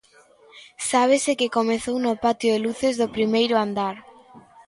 Sábese que comezou no patio de luces do primeiro andar.